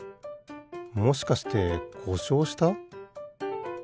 もしかしてこしょうした？